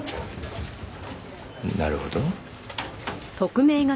なるほど。